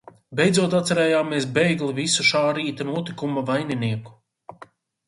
Beidzot atcerējāmies bēgli visu šā rīta notikuma vaininieku.